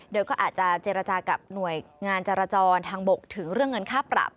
โดยก็อาจจะเจรจากับหน่วยงานจราจรทางบกถึงเรื่องเงินค่าปรับ